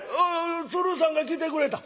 鶴さんが来てくれた。